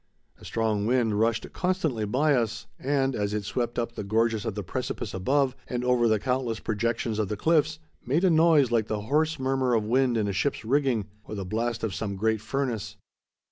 A strong wind rushed constantly by us, and, as it swept up the gorges of the precipice above, and over the countless projections of the cliffs, made a noise like the hoarse murmur of wind in a ship's rigging, or the blast of some great furnace.